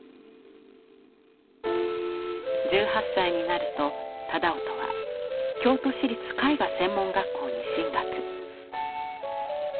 １８歳になると楠音は京都市立絵画専門学校に進学。